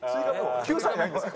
救済ないんですか？